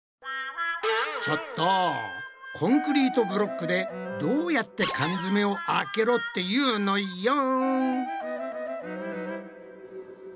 ちょっとコンクリートブロックでどうやって缶詰を開けろっていうのよん！